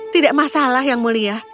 tidak masalah yang mulia